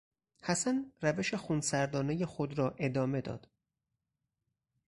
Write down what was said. حسن روش خونسردانهی خود را ادامه داد.